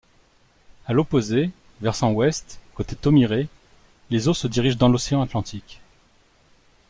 À l'opposé versant ouest côté Thomirey, les eaux se dirigent dans l'océan Atlantique.